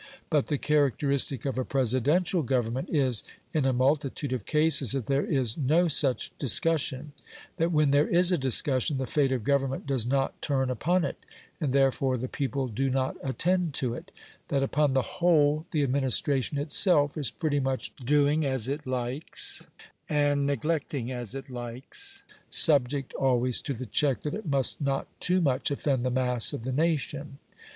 But the characteristic of a Presidential government is, in a multitude of cases, that there is no such discussion; that when there is a discussion the fate of Government does not turn upon it, and, therefore, the people do not attend to it; that upon the whole the administration itself is pretty much doing as it likes, and neglecting as it likes, subject always to the check that it must not too much offend the mass of the nation.